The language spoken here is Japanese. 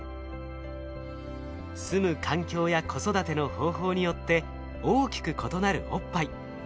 住む環境や子育ての方法によって大きく異なるおっぱい。